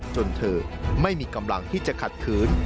จนเธอไม่มีกำลังที่จะขัดขืน